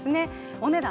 お値段